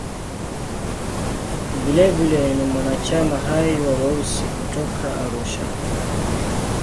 Vilevile ni mwanachama hai wa "Weusi" kutoka Arusha.